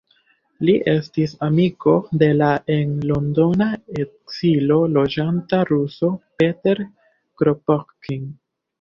Li estis amiko de la en Londona ekzilo loĝanta ruso Peter Kropotkin.